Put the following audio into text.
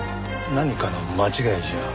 何かの間違いじゃ？